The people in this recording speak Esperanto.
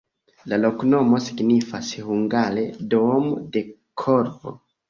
La loknomo signifas hungare: domo de korvo.